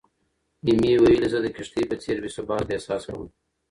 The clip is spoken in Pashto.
ایمي ویلي، "زه د کښتۍ په څېر بې ثباته احساس کوم."